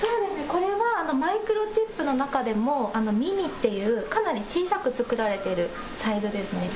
これはマイクロチップの中でもミニというかなり小さく作られているサイズです。